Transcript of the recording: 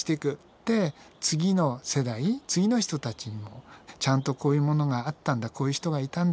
で次の世代次の人たちにもちゃんとこういうものがあったんだこういう人がいたんだ